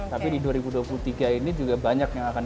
tapi di dua ribu dua puluh tiga ini juga banyak yang akan